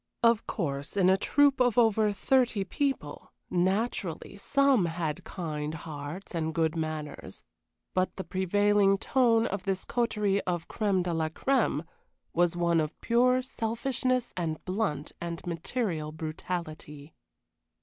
Of course, in a troop of over thirty people, naturally some had kind hearts and good manners, but the prevailing tone of this coterie of crème de la crème was one of pure selfishness and blunt and material brutality.